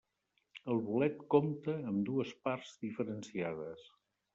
El bolet compta amb dues parts diferenciades.